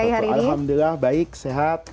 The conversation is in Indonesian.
alhamdulillah baik sehat